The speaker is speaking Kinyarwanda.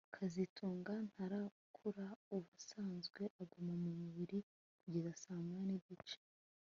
kazitunga ntarakura Ubusanzwe aguma mu buriri kugeza saa moya nigice